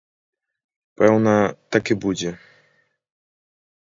Пэўна, так і будзе.